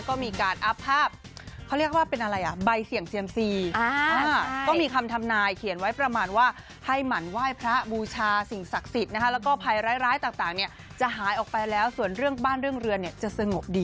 ก็มีการ์ดอัพภาพเขาเรียกว่าเป็นอะไร